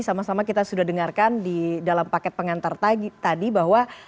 sama sama kita sudah dengarkan di dalam paket pengantar tadi bahwa